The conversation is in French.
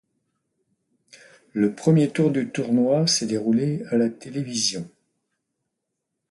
Le premier tour du tournoi s'est déroulé à la télévision.